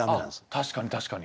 確かに確かに。